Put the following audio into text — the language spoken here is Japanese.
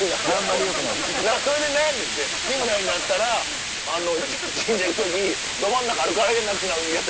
よくないやろそれで悩んでて日村になったら神社行く時ど真ん中歩かれなくなるんやって。